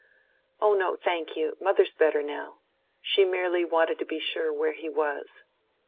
"Oh no, thank you; mother's better now. She merely wanted to be sure where he was."